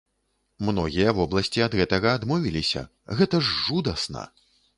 Многія вобласці ад гэтага адмовіліся, гэта ж жудасна!